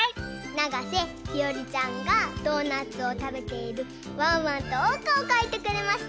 ながせひよりちゃんがドーナツをたべているワンワンとおうかをかいてくれました。